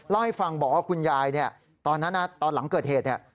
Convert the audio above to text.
เล่าให้ฟังบอกว่าคุณยายเนี่ยตอนนั้นตอนหลังเกิดเหตุเนี่ย